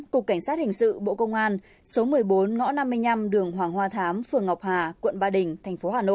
cục cảnh sát hình sự bộ công an số một mươi bốn ngõ năm mươi năm đường hoàng hoa thám phường ngọc hà quận ba đình